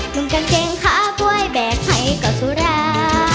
หนุ่มกันเจ็งข้าบ้วยแบกให้กับสุรา